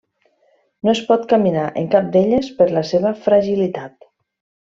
No es pot caminar en cap d'elles per la seva fragilitat.